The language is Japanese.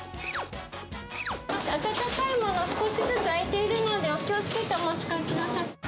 温かいもの、少しずつあいているので、お気をつけてお持ち帰りください。